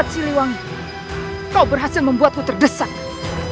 tuhan yang setowersuat diselamatkan kandunganmu